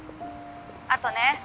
あとね。